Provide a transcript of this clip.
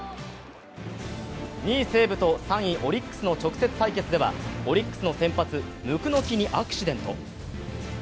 ２位・西武と３位・オリックスの直接対決ではオリックスの先発・椋木にアクシデント。